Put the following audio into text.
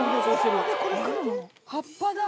葉っぱだ。